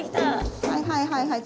はいはいはいはい。